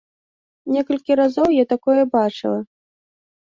Некалькі разоў я такое бачыла.